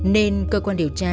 nên cơ quan điều tra